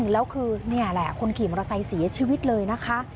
แล้วคือนี่แหละคนขี่มอเตอร์ไซค์เสียชีวิตเลยนะคะ